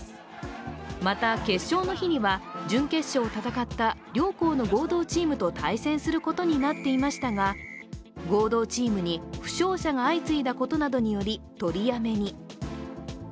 また決勝の日には準決勝を戦った両校の合同チームと対戦することになっていましたが、合同チームに負傷者が相次いだことなどにより取りやめに。